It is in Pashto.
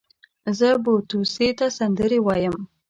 زه بو توسې ته سندرې ويايم.